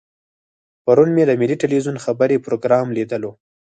پرون مې د ملي ټلویزیون خبري پروګرام لیدلو.